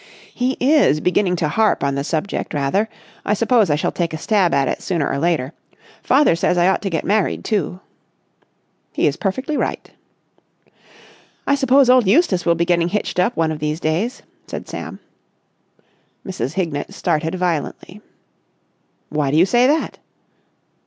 "He is beginning to harp on the subject rather. I suppose I shall take a stab at it sooner or later. Father says I ought to get married, too." "He is perfectly right." "I suppose old Eustace will be getting hitched up one of these days?" said Sam. Mrs. Hignett started violently. "Why do you say that?"